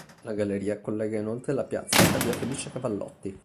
La galleria collega inoltre la piazza a via Felice Cavallotti.